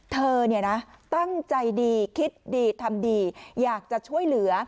เธอเนี่ยนะตั้งใจดีคิดดีทำดีอยากจะช่วยเหลือ